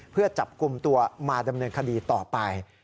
เพื่อจับกลุ่มตัวมาดำเนินคดีต่อไป